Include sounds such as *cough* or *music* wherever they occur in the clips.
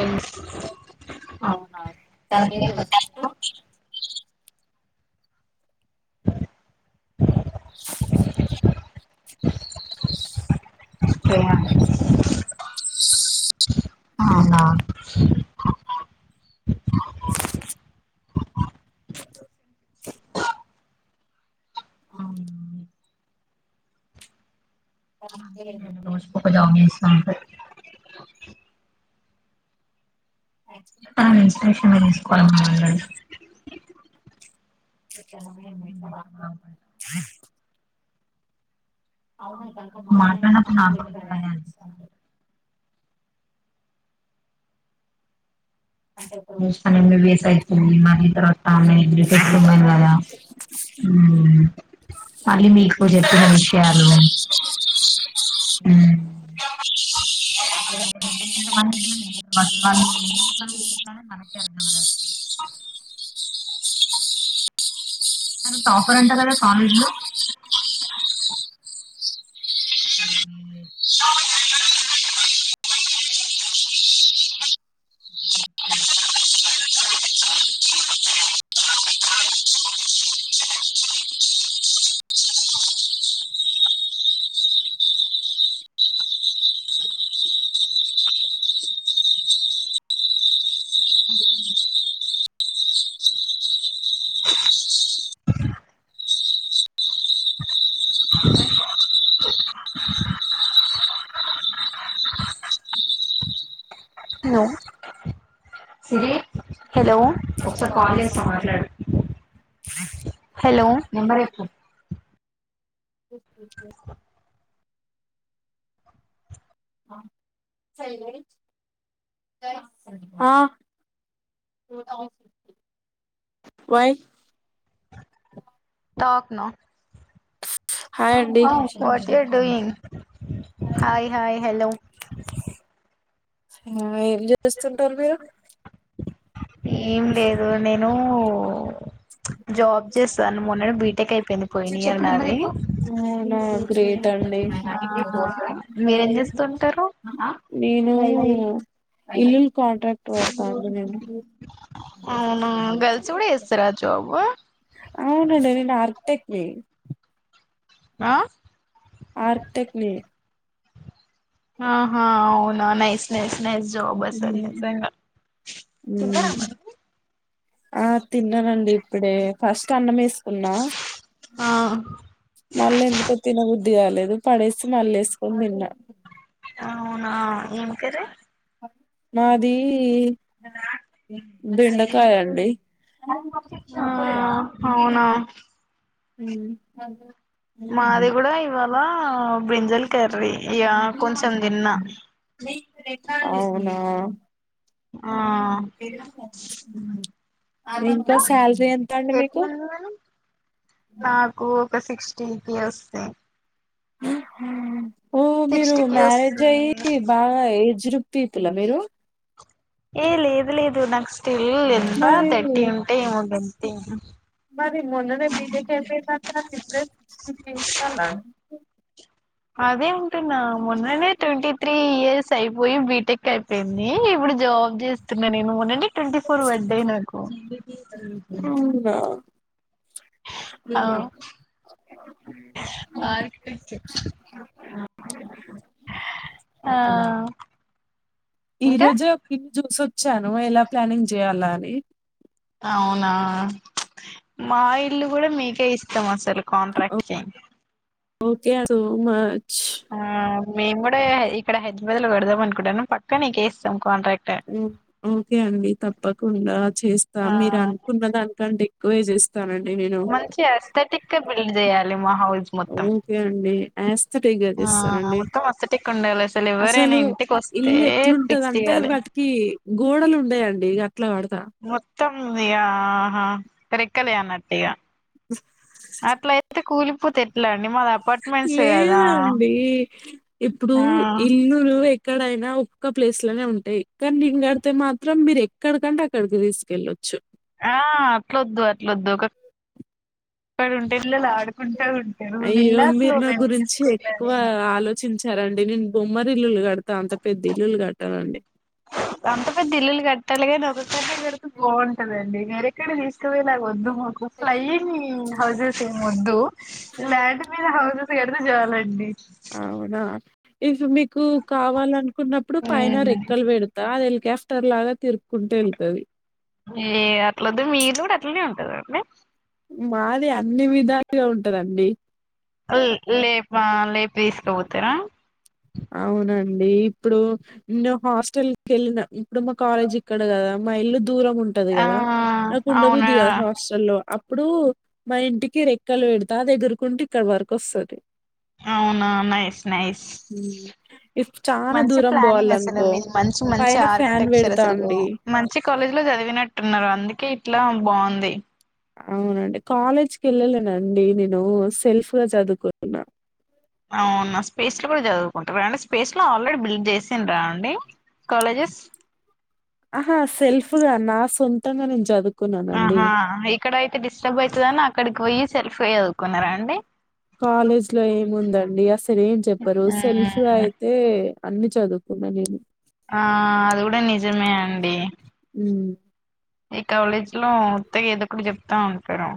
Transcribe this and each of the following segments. అవునా విన్నా అవునా కరెక్ట్ గా అయ్యింది రోజ్ కొక జాము ఇస్తాంటే ఆ ఇన్స్పిరేషన్ తీసుకోలని అన్నడు ఓ మై గాడ్ మాట్లానప్పుడు నాతో పదాడికిస్తాం మూస్కొని ఎం బి బి ఎస్ అయితుంది మళ్ళీ తర్వాత ఆమె బ్రిటిస్ట్ ఉమెన్ గదా హ్మ్ మళ్ళీ మీకు జొప్పిన విషయాలు మ్మ్ మ్మ్ కొంత మంది ఏమనుకుంటారు అసలు వాళ్ళు ఎన్ని పనులు చేత్తన్రో మనకే అర్థంకాదు ఆమె టాపర్ అంట కదా కాలేజ్ లో అయిసా హలో హలో ఒకసారి కాల్ చేస్తా మాట్లాడు హలో ఆ వై టాక్న హాయ్ అండి what you are doing hi hi hello ఆ ఏం చేస్తుంటరు మీరు ఏం లేదు నేను జాబ్ చేస్తాను మొన్ననే బీటెక్ అయి అవునా గ్రేట్ అండి మీరేం చేస్తుంటారు నేను ఐ ఇల్ కాంటాక్ట్ పెడతాండి మేము అవునా గర్ల్స్ కూడా చేస్తారా జాబ్ అవునుండి నేను అర్క్టెక్నీ ఆ ఆర్కిటెక్ని ఆ హా అవునా నైస్ నైస్ నైస్ జాబ్ అసలు నిజంగా మ్మ్ ఆ తిన్నానండి ఇప్పుడే ఫస్ట్ అన్నం ఏస్ కున్నా ఆ మల్లెందుకో తినబుద్ దిగలేదు పడేసి మళ్ళి వేసుకొని దిన్నా అవునా ఏం కర్రీ మాది బెండకాయ అండి నా హ్మ్ మాది గూడా ఇవాళ బ్రింజల్ కర్రీ ఈయ కొంచెం దిన్నా అవునా ఆ ఇంకో సాలరీ ఎంత అండి మీకు ఎట్లుంది మరి నాకు ఒక సిక్టీ కే వస్తాయ్ హ్మ్ హు ఓ మీరు సిక్స్టీకి మ్యారేజ్ వస్తుంది అయి బాగా ఏజ్రూ తీతుల మీరు ఏ లేదు లేదు నాకు స్టిల్ ఎంత మరి థర్టీ ఉంటే ఏమో గంతే మరి మొన్ననే బీటెక్ అయిపోయింది అంటాంది బ్రెస్ *inaudible* ఇస్తానా అదే అంటున్న మొన్ననే ట్వంటీ త్రీ ఇయర్స్ అయిపోయి బీ టికెట్ ఏంది ఇప్పుడు జాబ్ చేస్తున్నా నేను మొన్ననే ట్వంటీ ఫోర్ పడై నాకు అవునా ఆ ఆ ఈ ఇంకా రోజే *inaudible* చూసోచాను ఎలా ప్లానింగ్ చేయాల *unintelligible* అవునా మా ఇల్లు గూడా మీకే ఇస్తాం అసలు కాంట్రాక్ట్ కే ఓకే అసలు *unintelligible* మచ్ ఆ మేము గుడా ఇక్కడ హైదరాబద్ లో పెడదాం అనుకుంటానం పక్కనే కేస్ *unintelligible* ఓకే అండి తప్పకుండా చేస్తా ఆ మీరు అనుకున్న దానికంటె క్కువే చేస్ మంచి అస్థటిక్ గా బిల్డ్ చేయాలి మా హౌస్ మొత్తం ఓకే అండి డి యాస్ స్థాటిగ్గా ఆ చేస్తానండి మొత్తం అస్థెటిక్ ఉండాలి ఎవరైనా అసలు ఇంటికి వస్తే ఇల్లు పిక్స్ ఎట్లుంటదంటే తీయాలి వాటికి గోడలు ఉండయండి ఇక అట్లా కడతా త్తం ఇగ ఆహా రెక్కలే అన్నట్టు ఇగ అట్లెయితే కూలిపోతె ఎట్లా అండి మాది అపార్ట్మెంట్స్ కదా లేదండి ఇప్పుడు ఆ ఇల్లులు ఎ క్కడైనా ఒక్క ప్లేస్ లోనే ఉంటాయి కానీ నేను కడితే మాత్రం మీరు ఎక్కడికంటే అక్కడికి తీసుకెళ్ళొచ్చు ఆ అట్లొద్దు అట్లొద్దు ఒక *unintelligible* ఉంటే వెళ్ళలా అయ్యో మీరు నా గురించి ఎక్కువ తీసుకున్నది ఆలోచించారండి నేను బొమ్మరిల్లులు కడు అంత పెద్ద ఇళ్ళులు కట్టాలిగాని ఒక క్కడినే కడితే బావుంటదండి వేరెక్కడ తీసుకుపోయేలాగ వద్దు మాకు ఫ్లైయింగ్ హౌసెస్ ఏం వద్దు ల్యాండ్ మీద హౌజెస్ క్కడిదే చాలండి ఇసు మీ కు కావాలనుకున్నప్పుడు పైన రెక్కలు పెడతా అదెళ్ కాఫ్టర్ లాగా తిరు ఏ అట్లొద్దు మీరు కూడా అట్లనే ఉ కదాండి మాది అన్ని విధాలుగా ఉంటదండి లే లేప లేపస్కపోతర అవునండి ఇప్పుడు నువ్ హాస్టల్ కెళ్ళిన ఇప్పుడు మా కాలేజ్ ఇక్కడ కదా మా ఇల్లు దూరం ఉంటది ఆ కదా నాకుండ అవునా బుద్ది కాదు హాస్టల్లో అప్ ఇప్పుడు మా ఇంటికి రెక్కలు పెడతా అది ఎగురుకుంటూ ఇక్కడ వరకు వస్తది అవునా నైస్ నైస్ హ్మ్. ఇఫ్ చానా మంచి దూరం ప్లానింగ్ అసలు బోవాలనుకో మీది మంచి మంచి పైన ఫ్యాన్ ఆర్కిటెక్చర్ పెడతా అసలు అండి. మంచి కాలేజీ లో చదివినట్టున్నారు అందుకే ఇట్ ఇట్లా బాంది అవునండి కాలేజ్కి ఎళ్ళలేనండి నేను సెల్ఫ్ గా చదువుకుంటున్నా అవునా స్పేస్ లో కూడా చదువుకుంటారండి స్పేస్ లో ఆల్రెడీ బిల్డ్ చేసిండ్ర అండి కాలేజెస్ ఆహా సెల్ఫ్ ప్పుద నా సొంతంగా నేను చదువు ఆహా ఇక్కడయితే డిస్టర్బ్ అయితదని అక్కడికి పోయి సెల్ఫ్ చదువుకున్నారా అండి కాలేజ్ లో ఏముందండి అసలు ఏం చెప్పరు సెల్ఫ్ లో మ్మ్ అయితే అన్ని చదువుకున్నా నేను ఆ అది కూడా నిజమే అండి ఉమ్ ఈ కాలేజ్ లో ఉత్తగా ఏదో కూడా చెప్తా ఉంటరు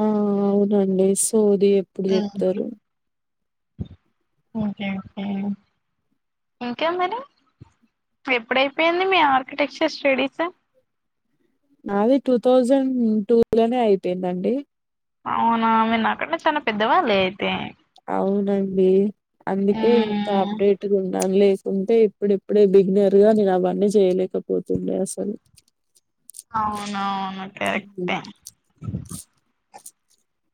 ఆ అవునండి ఎస్ సోది ఎప్పుడు చెప్తారు ఒకే ఒకే ఇంకా మరి ఎప్పుడైపోయింది మీ ఆర్కిటెక్చర్ స్టడీస్. నాది టూ థౌజండ్ టూ లోనే అయిపోయిందండి అవునా మీర్ నాకన్న చాలా పెద్దవాళ్ళు అయితే అవునండి అందుకే ఇంత మ్మ్ అప్డేట్గా ఉన్నాను లేసి ఉంటే ఇప్పుడిప్పుడే బిగినర్గా నేను అవన్నీ చేయలేకపోతుండే అసలు అవున అవును హ్మ్. కరెక్టే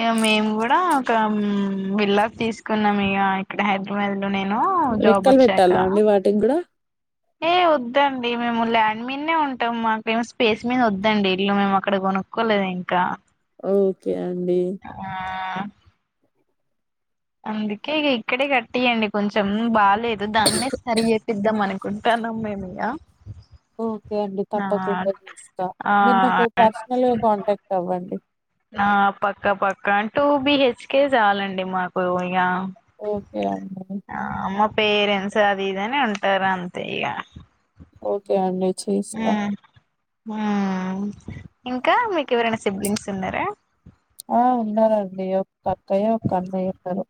యేం మేము అక్కడ మ్మ్. విల్లాస్ తీసుకున్నాం ఇగ ఇక్కడ హైదరాబాద్ లో నేను జాబ్ లెక్కలు వచ్చాక పెట్టాలా అండి వాటికి కూడా ఏ వద్దు అండి మేము ల్యాం మిన్నే ఉంటాం మాకేం స్ పేస్ మీద వద్దండి ఇల్లు మేము అక్కడ గొనుక్కోలేదు ఇంకా ఓకే అండి ఆ అందుకే ఇగ ఇక్కడే కట్టీయండి కొంచెం బాల్ లేదు దాన్నే సరి జేపిద్దాం మన కుంటాన్నాం మేమియా ఓకే అండి తప్పకుండా జూస్తా ఆ మీరు నాకు పర్సనల్ గా కాంటాక్ట్ అవ్వండి ఆ పక్క పక్క టూ బిహెచ్కే చాలండి మాకు ఇగ ఓకే అండి ఆ మా పేరెంట్స్ అది ఇదని ఉంటారు అంతే ఇగ ఓకే అండి చేస్తా. హ్మ్ హ్మ్ ఇంకా మీకు ఎవరైనా సిబ్లింగ్స్ ఉన్నారా ఆ ఉన్నారండి ఒక అక్కయ్య ఒక అన్నయ్య ఉన్నారు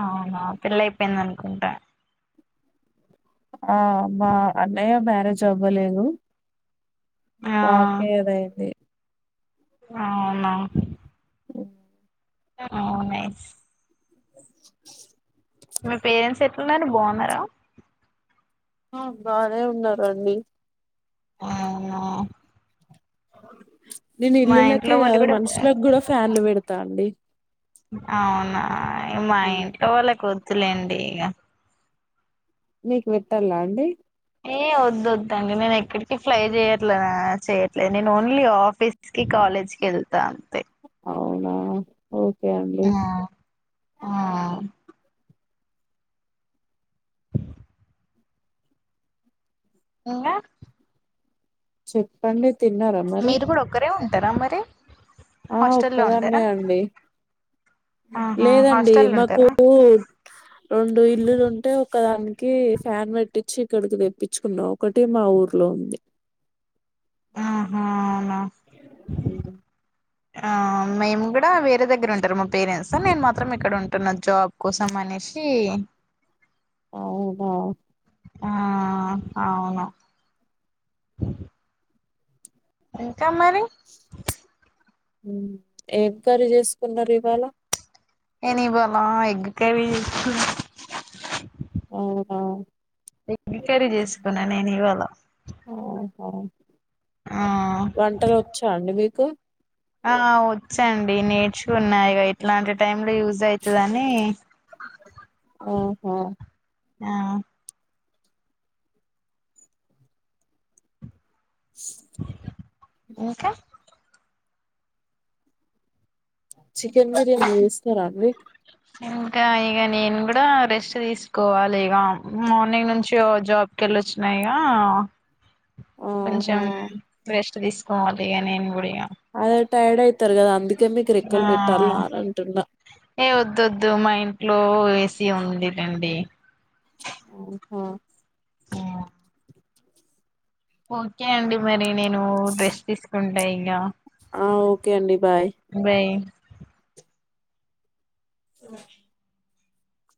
అవునా పెళ్లయిపోయింది అనుకుంటా ఆ మా అన్నయ్య బా నే చవ్వలేదు ఆ వాకే ఏదైది అవునా హ్మ్. అవునే మీ పేరెంట్స్ ఎట్లున్నరు బాన్నారా ఆ బానే ఉన్నారండీ అవునా నేను మా ఇల్లులకే ఇంట్లో వాళ్ళు గాదు కూడా మనుషులగ్గూడా ఫ్యాన్లు బెడతా అండి అవునా మా హ్మ్. ఇంట్లో వాళ్ళ కొద్ తు లేండి ఇగా మీకి వెట్టల్లా అండి ఏ వద్దు వొద్దండి నేను ఎక్కడికి ఫ్లై చెయ్యట్లేనా చేయ్యట్లే నేను ఓన్లీ ఆఫీస్ కి కాలేజ్ కి ఎళ్తా తె అవునా ఓకే అండి ఆ ఇంగా చెప్పండి తిన్నారా మరి? మీరు కూడా ఒక్కరేం టరామరి ఆ ఒక్కదాన్నే అండి ఆహా లేదండి హాస్టల్ మాకు ఉంటారా రెండు ఇల్లులు ఉంటే ఒకదానికి ఫ్యాన్ పెట్టిచ్చి. ఇక్కడికి తెప్పించుకున్నా ఒకటే మా ఊర్లో ఉంది ఆహా అవునా హ్మ్. ఆ మేము కూడా వేరే దగ్గర ఉంటారు మా పేరెంట్స్ నేను మాత్రం ఇక్కడ ఉంటున్నా జాబ్ కోసం అనేసి. అవునా ఆ అవునా ఇంకా మరి హ్మ్ ఏం క్రరీ చేసుకున్నారు ఇవాళ నేను ఇవాల ఎగ్ కర్రీ చేసుకున్నాం అవునా ఎగ్ కర్రీ చేసుకున్నా నేను ఇవాళ ఆహ్ ఆ వంటలు వచ్చాండి మీకు కొ ఆ వచ్చండి నేర్చు ఉన్నాయి గా ఇట్లాంటి టైం యుజ్ అయితదని హా ఆ ఇంకా చికెన్ బిర్యానీ జేస్తారా అండి ఇంకా ఇగ నేను గూడా రెస్ట్ దీసుకోవాలి ఇగ మార్నింగ్ నుంచి టియో జాబ్ కెళ్ళొచ్చినా ఇగా కొంచెం ఆహా రెస్ట్ దీసుకోవాలి ఇగ నేను గూడా ఇగ అదే టైడ్ అయితారు గదా అంద ఏ వొద్దోద్దు మా ఇన్ ట్లో ఏసీ ఉందిలెండి హ్మ్ హు హ్మ్ ఓకే అండి మరి నేను డ్రెస్ తీసుకున్ డై గా ఆ ఓకే అండి బాయ్ బాయ్